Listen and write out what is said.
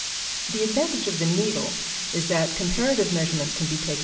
The advantage of the needle is that comparative measurements can be taken with it.